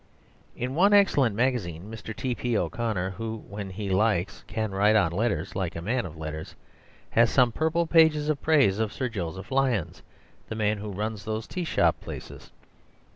In one excellent magazine Mr. T. P. O'Connor, who, when he likes, can write on letters like a man of letters, has some purple pages of praise of Sir Joseph Lyons the man who runs those teashop places.